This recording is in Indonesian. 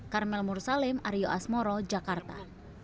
karmel mursalim aryo asmoro jakarta